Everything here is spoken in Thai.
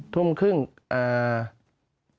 ผมก็เลยจุงหมาก่อน